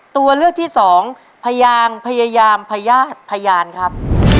ตัวเลือกที่สองพยางพยายามพญาติพยานครับ